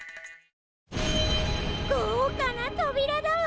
ごうかなとびらだわ！